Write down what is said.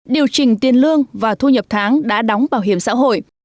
điều chỉnh tiền lương và thu nhập tháng đã đóng bảo hiểm xã hội